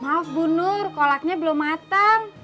maaf bu nur kolaknya belum matang